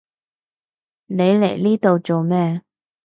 你嚟呢度做咩？